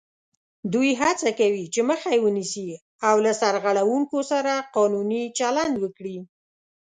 دوی هڅه کوي چې مخه یې ونیسي او له سرغړوونکو سره قانوني چلند وکړي